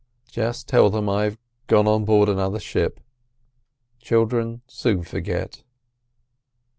Just tell them I've gone on board another ship—children soon forget."